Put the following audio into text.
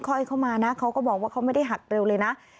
ค่อยเข้ามานะเขาก็บอกว่าเขาไม่ได้หักเร็วเลยนะ